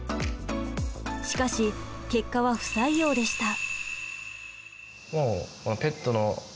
しかし結果は不採用でした。